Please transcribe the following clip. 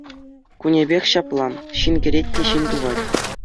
Кунӗпех ҫапла — ҫын кӗрет те ҫын тухать.